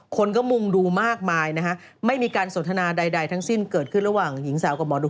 คนก็มุ่งดูมากมายนะฮะไม่มีการสนทนาใดทั้งสิ้นเกิดขึ้นระหว่างหญิงสาวกับหมอดู